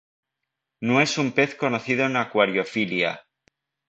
No es un pez conocido en acuariofilia.